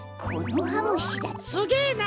すげえな！